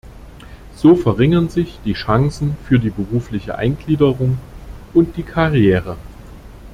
So verringern sich die Chancen für die berufliche Eingliederung und die Karriere.